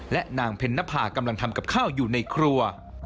และนางเพ็ญนภากำลังทำกับข้าวอยู่ในครัว